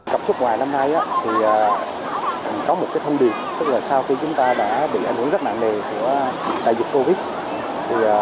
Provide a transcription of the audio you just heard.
cảm xúc ngoài năm nay thì cần có một cái thông điệp tức là sau khi chúng ta đã bị ảnh hưởng rất mạng nề của đại dịch covid